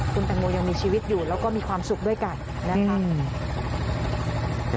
คุณแตงโมยังมีชีวิตอยู่แล้วก็มีความสุขด้วยกันนะคะ